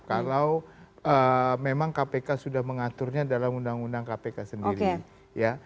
kalau memang kpk sudah mengaturnya dalam undang undang kpk sendiri ya